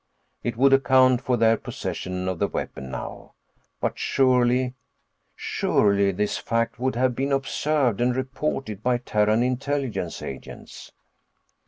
It would account for their possession of the weapon now. But surely—surely, this fact would have been observed and reported by Terran intelligence agents.